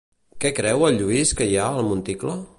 Què creu el Lluís que hi ha al monticle?